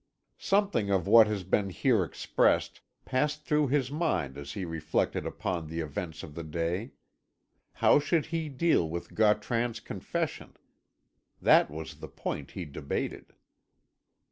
Something of what has been here expressed passed through his mind as he reflected upon the events of the day. How should he deal with Gautran's confession? That was the point he debated.